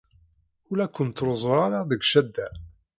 Ur la ken-ttruẓuɣ ara deg ccada.